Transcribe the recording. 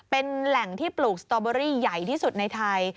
เป็นแหล่งที่ปลูกสตอเบอรี่ใหญ่ที่สุดในไทย